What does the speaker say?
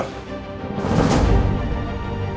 mas ini udah selesai